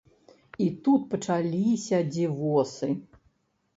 І тут пачаліся дзівосы.